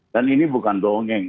dan ini bukan dongeng